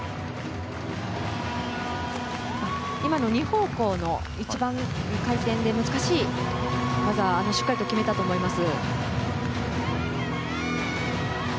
２方向の一番、回転で難しい技をしっかりと決めたと思います。